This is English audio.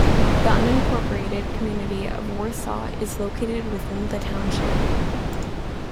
The unincorporated community of Warsaw is located within the township.